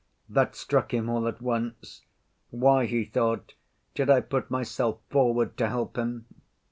That struck him all at once. Why, he thought, did I put myself forward to help him?